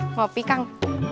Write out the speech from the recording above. mau kopi kang